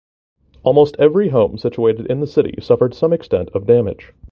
Almost every home situated in the city suffered some extent of damage.